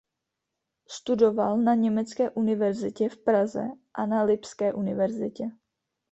Studoval na německé univerzitě v Praze a na Lipské univerzitě.